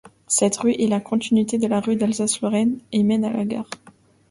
Cette rue est la continuité de la rue d'Alsace-Lorraine, et mène à la gare.